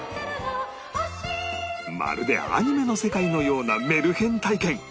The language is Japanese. まるでアニメの世界のようなメルヘン体験